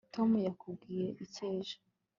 tom yakubwiye iki ejo